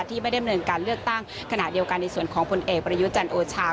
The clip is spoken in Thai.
ที่ไม่ได้ดำเนินการเลือกตั้งขณะเดียวกันในส่วนของผลเอกประยุจันทร์โอชา